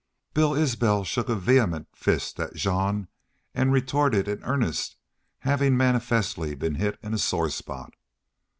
Bill Isbel shook a vehement fist at Jean and retorted in earnest, having manifestly been hit in a sore spot.